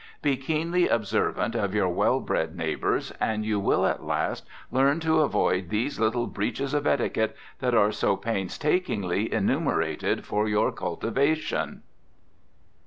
Be keenly observant of your well bred neighbors, and you will at last learn to avoid these little breaches of etiquette that are so painstakingly enumerated for your cultivation.